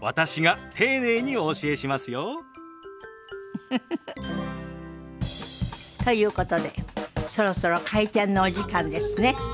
ウフフフ。ということでそろそろ開店のお時間ですね。